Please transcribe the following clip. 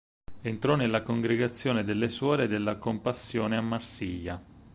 Entrò nella Congregazione delle Suore della compassione a Marsiglia.